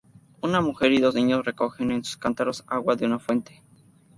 Una mujer y dos niños recogen, en sus cántaros, agua de una fuente.